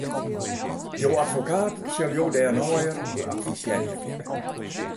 Jo advokaat sil jo dêr neier oer advisearje kinne.